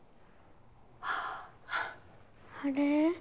あっあれ？